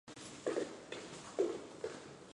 他是波兰裔瑞典人。